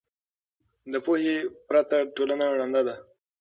د پوهې پرته ټولنه ړنده ده.